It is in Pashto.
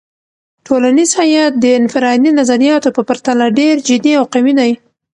ټولنیز هیت د انفرادي نظریاتو په پرتله ډیر جدي او قوي دی.